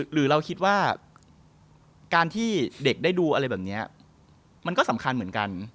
หรือเราคิดว่าการที่เด็กได้ดูอะไรแบบนี้มันก็สำคัญเหมือนกัน